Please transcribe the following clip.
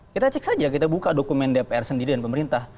kita cek saja kita buka dokumen dpr sendiri dan pemerintah